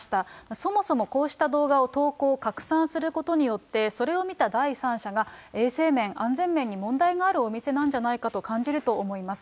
そもそもこうした動画を投稿、拡散することによって、それを見た第三者が衛生面、安全面に問題があるお店なんじゃないかと感じると思います。